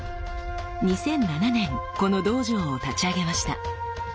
２００７年この道場を立ち上げました。